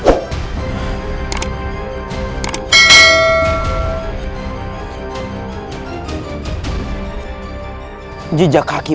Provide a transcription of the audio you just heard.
gusti yang agung